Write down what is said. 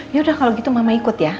yaudah kalau gitu mama ikut ya